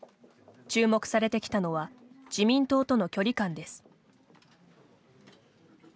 注目されてきたのは自民党との距離感です。